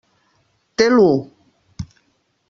Té l'u!